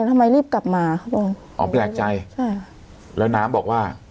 ทำไมรีบกลับมาเขาบอกอ๋อแปลกใจใช่แล้วน้ำบอกว่า